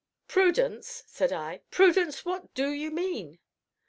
"Prudence," said I, "Prudence, what do you mean?"